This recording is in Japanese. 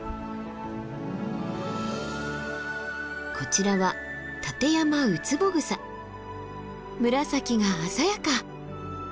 こちらは紫が鮮やか。